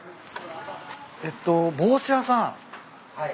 えっと帽子屋さん？